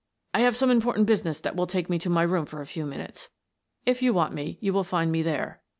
I have some important business that will take me to my room for a few minutes. If you want me, you will find me there.